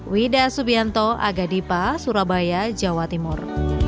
widasubianto agadipa surabaya jawa timur